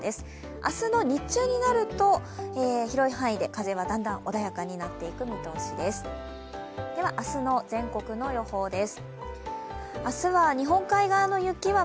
明日の日中になると、広い範囲で風はだんだん穏やかになっていく見通しです。